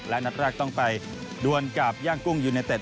และนัดแรกต้องไปดวนกับย่างกุ้งยูเนเต็ด